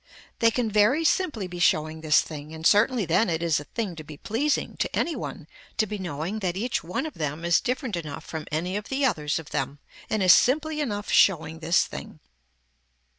They can very simply be showing this thing and certainly then it is a thing to be pleasing to any one to be knowing that each one of them is different enough from any of the others of them and is simply enough showing this thing.